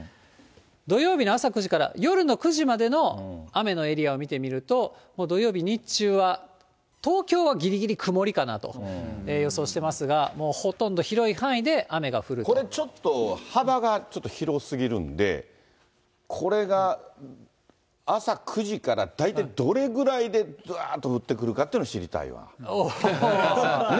土曜日の朝９時から夜の９時までの雨のエリアを見てみると、もう土曜日日中は東京はぎりぎり曇りかなと予想してますが、もうこれちょっと、幅がちょっと広すぎるんで、これが朝９時から大体どれぐらいで、ざーっと降ってくるかっていうのを知りたいわ。ね？